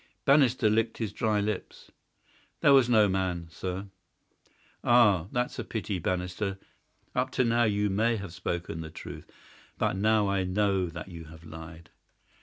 Bannister licked his dry lips. "There was no man, sir." "Ah, that's a pity, Bannister. Up to now you may have spoken the truth, but now I know that you have lied."